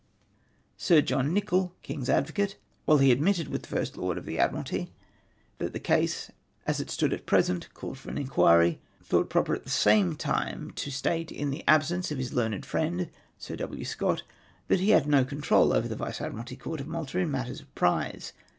"8iR John Niciioll (King's Advocate), while he admitted with the First Lord of the Admiralty, that the case, as it stood SIR FIfA.NX'IS EURDETTS. 193 at present, called for inquiry, thought proper at the same time fo state, in the absence of his learned friend (.Sir ^V. Scott), that he had no control over the Vice Admiralty Court of Malta in matters of prize.